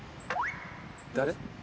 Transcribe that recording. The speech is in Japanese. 誰？